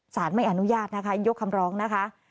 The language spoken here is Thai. ไม่อนุญาตนะคะยกคำร้องนะคะ